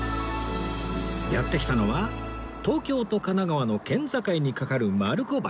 やって来たのは東京と神奈川の県境に架かる丸子橋